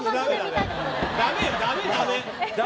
ダメ、ダメ。